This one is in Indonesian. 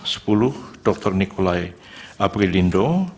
sepuluh dr nikolai aprilindo